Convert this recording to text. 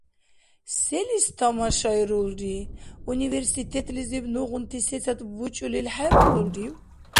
Селис тамашайрулри, университетлизиб нугъунти сецад бучӀулил хӀебалулрив?